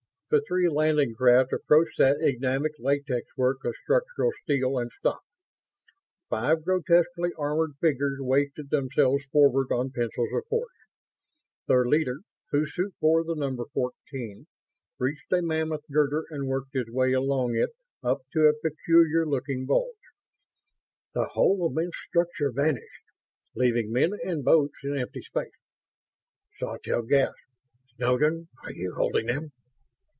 The three landing craft approached that enigmatic lattice work of structural steel and stopped. Five grotesquely armored figures wafted themselves forward on pencils of force. Their leader, whose suit bore the number "14", reached a mammoth girder and worked his way along it up to a peculiar looking bulge. The whole immense structure vanished, leaving men and boats in empty space. Sawtelle gasped. "Snowden! Are you holding 'em?"